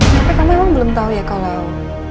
tapi kamu emang belum tau ya kalau